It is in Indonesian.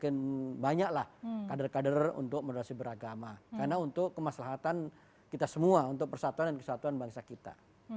semakin banyaklah kader kader untuk moderasi beragama karena untuk kemaslahatan kita semua untuk persatuan dan kesatuan bangsa kita